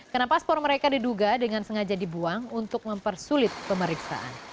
karena paspor mereka diduga dengan sengaja dibuang untuk mempersulit pemeriksaan